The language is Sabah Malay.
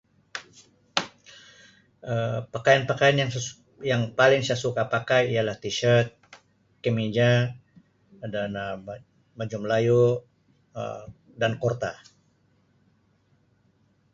Um Pakaian-pakaian yang sa- yang paling saya suka pakai ialah t-shirt, kemeja dan Um baju melayu Um dan kurta.